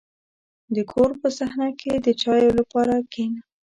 • د کور په صحنه کې د چایو لپاره کښېنه.